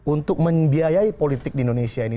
untuk membiayai politik di indonesia ini